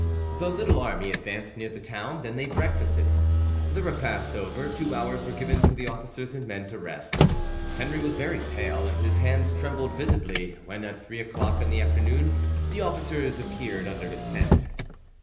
The little army advanced near the town, then they breakfasted. The repast over, two hours were given for the officers and men to rest. Henri was very pale, and his hands trembled visibly, when at three o'clock in the afternoon the officers appeared under his tent.